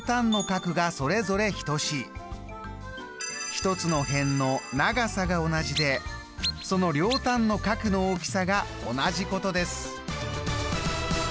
１つの辺の長さが同じでその両端の角の大きさが同じことです。